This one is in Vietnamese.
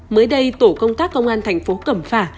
mới đây tổ công tác công an thành phố cẩm phả